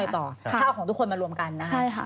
ถ้าเอาของทุกคนมารวมกันนะครับ